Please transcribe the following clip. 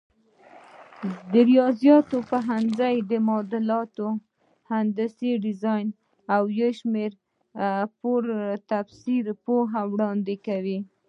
د ریاضیاتو پوهنځی د معادلاتو، هندسي ډیزاین او شمېرو پر تفصیل پوهه وړاندې کوي.